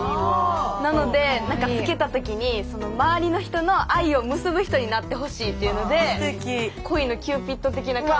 なのでつけた時に周りの人の愛を結ぶ人になってほしいっていうので恋のキューピッド的な感じで。